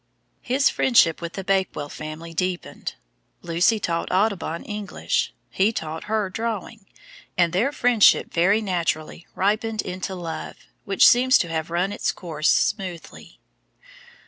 His friendship with the Bakewell family deepened. Lucy taught Audubon English, he taught her drawing, and their friendship very naturally ripened into love, which seems to have run its course smoothly.